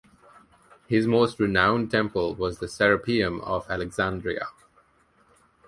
His most renowned temple was the Serapeum of Alexandria.